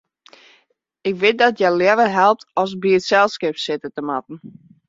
Ik wit dat hja leaver helpt as by it selskip sitte te moatten.